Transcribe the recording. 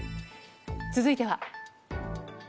続いては。